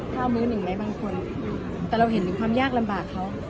ข้าวมื้อหนึ่งไหมบางคนแต่เราเห็นถึงความยากลำบากเขา